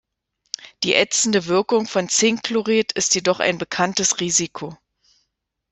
Die ätzende Wirkung von Zinkchlorid ist jedoch ein bekanntes Risiko.